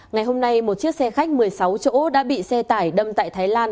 ngày hôm nay một chiếc xe khách một mươi sáu chỗ đã bị xe tải đâm tại thái lan